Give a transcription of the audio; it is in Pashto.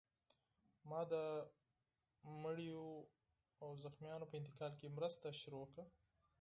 ما د مړیو او زخمیانو په انتقال کې مرسته شروع کړه